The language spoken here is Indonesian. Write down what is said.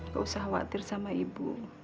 gak usah khawatir sama ibu